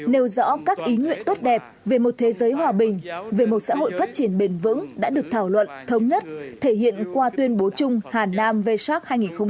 nêu rõ các ý nguyện tốt đẹp về một thế giới hòa bình về một xã hội phát triển bền vững đã được thảo luận thống nhất thể hiện qua tuyên bố chung hà nam varc hai nghìn một mươi chín